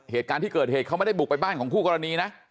เหตุการณ์ที่เกิดเหตุเขาไม่ได้บุกไปบ้านของคู่กรณีนะ